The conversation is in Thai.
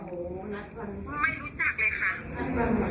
ไม่รู้จักเลยค่ะ